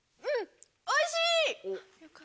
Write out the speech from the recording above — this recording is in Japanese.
うんおいしい！